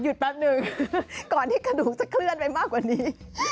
แป๊บหนึ่งก่อนที่กระดูกจะเคลื่อนไปมากกว่านี้